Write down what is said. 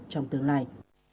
trong tương lai